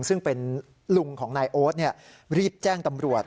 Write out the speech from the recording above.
ซึ่งเป็นลุงของนายโอ๊ตรีบแจ้งตำรวจ